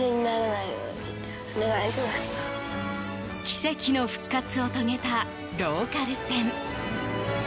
奇跡の復活を遂げたローカル線。